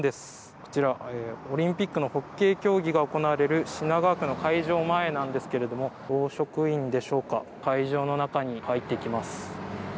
こちら、オリンピックのホッケー競技が行われる品川区の会場前なんですけれども教職員でしょうか会場の中に入っていきます。